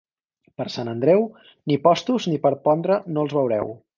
Per Sant Andreu, ni postos ni per pondre no els veureu.